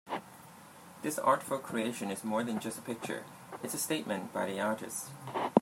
This artful creation is more than just a picture, it's a statement by the artist.